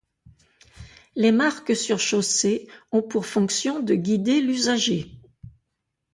Les marques sur chaussée ont pour fonction de guider l'usager.